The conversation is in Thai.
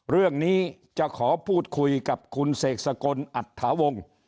เรื่องนี้จะขอพูดคุยกับคุณเสกสกลอัตถาวงศ์